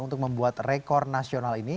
untuk membuat rekor nasional ini